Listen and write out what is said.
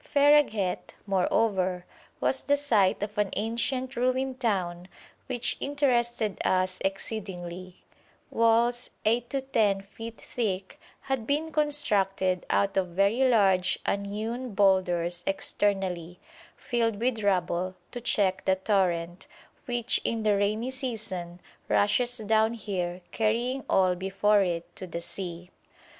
Fereghet, moreover, was the site of an ancient ruined town which interested us exceedingly: walls, 8 to 10 feet thick, had been constructed out of very large unhewn boulders externally, filled with rubble, to check the torrent, which in the rainy season rushes down here carrying all before it to the sea.